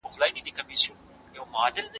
زه به سبا د کتابتون لپاره کار کوم؟!